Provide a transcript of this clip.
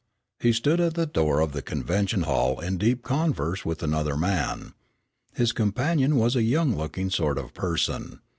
He stood at the door of the convention hall in deep converse with another man. His companion was a young looking sort of person.